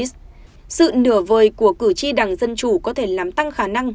sự nửa vời của cử tri đảng dân chủ có thể làm tăng khả năng